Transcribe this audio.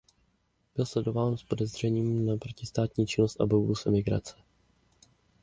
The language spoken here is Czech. Byl sledován s podezřením na protistátní činnost a obavu z emigrace.